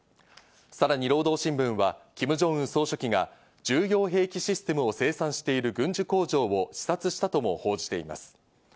さらに労働新聞はキム・ジョンウン総書記が重要兵器システムを生産している軍需工場を視察したとも報じています。